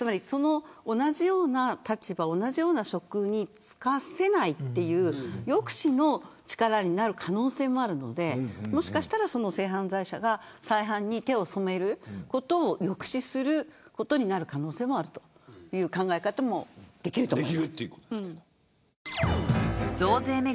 同じような立場、同じような職に就かせないという抑止の力になる可能性もあるのでもしかしたら、その性犯罪者が再犯に手を染めることを抑止することになる可能性もあるという考え方もできると思います。